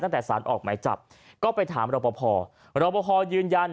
ตั้งแต่สารออกไหมจับก็ไปถามรับพอพอรับพอพอยืนยัน